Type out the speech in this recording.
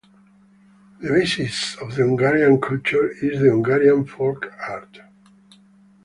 The basis of the Hungarian culture is the Hungarian folk art.